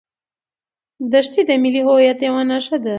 دښتې د ملي هویت یوه نښه ده.